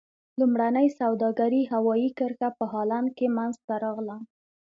لومړنۍ سوداګرۍ هوایي کرښه په هالند کې منځته راغله.